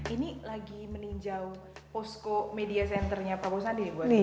ini lagi meninjau posko media centernya prabowo sandi